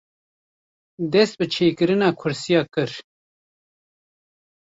dest bi çêkirina kursîya kir